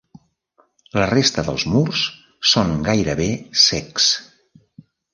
La resta dels murs són gairebé cecs.